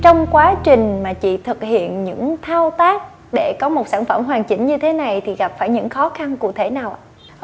trong quá trình mà chị thực hiện những thao tác để có một sản phẩm hoàn chỉnh như thế này thì gặp phải những khó khăn cụ thể nào ạ